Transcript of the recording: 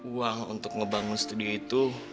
uang untuk ngebangun studio itu